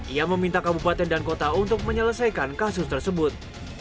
ia meminta kabupaten dan kota untuk menyelesaikan kasus tersebut